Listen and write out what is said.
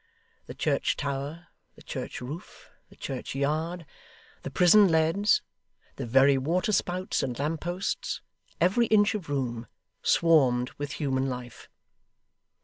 The church tower, the church roof, the church yard, the prison leads, the very water spouts and lampposts every inch of room swarmed with human life.